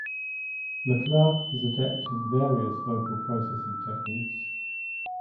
Leclercq is adept in various vocal processing techniques.